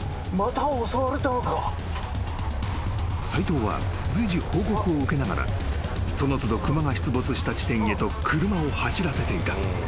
［斎藤は随時報告を受けながらその都度熊が出没した地点へと車を走らせていた］